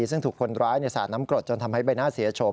ซึ่งถูกคนร้ายสาดน้ำกรดจนทำให้ใบหน้าเสียชม